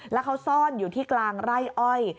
แล้วเขาซ่อนอยู่ที่กลางไร่อ้อย